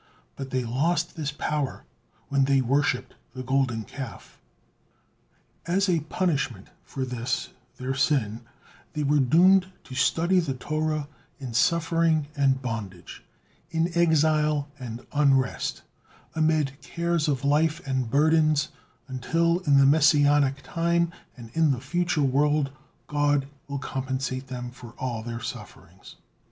But they lost this power when they worshipped the Golden Calf. As a punishment for this, their sin, they were doomed to study the Torah in suffering and bondage, in exile and unrest, amid cares of life and burdens, until, in the Messianic time and in the future world, God will compensate them for all their sufferings.